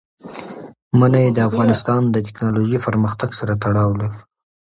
منی د افغانستان د تکنالوژۍ پرمختګ سره تړاو لري.